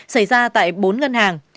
xảy ra tại bốn ngân hàng